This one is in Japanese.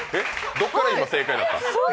どっから今、正解になった？